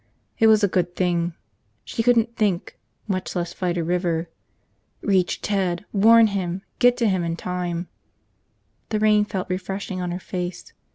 It was a good thing. She couldn't think, much less fight a river. Reach Ted, warn him, get to him in time. .... The rain felt refreshing on her face.